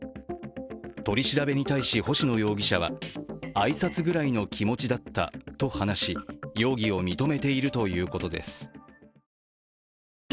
取り調べに対し、星野容疑者は挨拶ぐらいの気持ちだったと話し容疑を認めているということです。